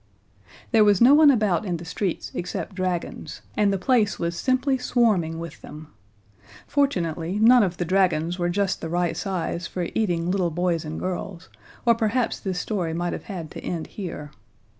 There was no one about in the streets except dragons, and the place was simply swarming with them. Fortunately none of the dragons were just the right size for eating little boys and girls, or perhaps this story might have had to end here.